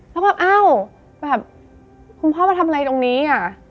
แล้วก็แบบอ้าวคุณพ่อมาทำอะไรตรงนี้